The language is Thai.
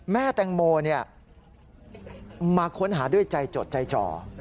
แม่แตงโมมาค้นหาด้วยใจจดใจจ่อ